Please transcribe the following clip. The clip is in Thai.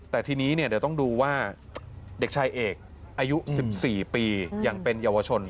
แต่ทีนี้เดี๋ยวต้องดูว่าเด็กชายเอกอายุ๑๔ปียังเป็นเยาวชน